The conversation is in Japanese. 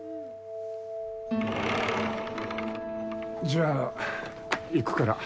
じゃあ行くから。